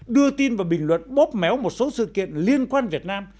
đưa tin và bình luận bóp méo một số sự kiện liên quan việt nam